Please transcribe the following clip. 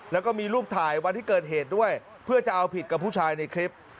แล้วก็มีรูปถ่ายวันที่เกิดเหตุด้วยเพื่อจะเอาผิดกับผู้ชายในคลิป